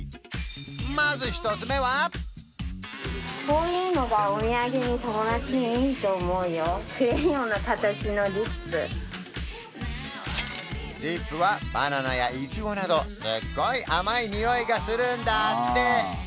まず１つ目はリップはバナナやイチゴなどすっごい甘い匂いがするんだって！